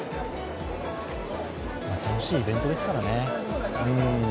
まあ楽しいイベントですからね。